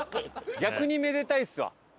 逆にめでたいっすわ！